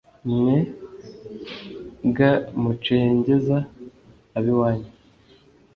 mwe ga mucengeza ab’iwanyu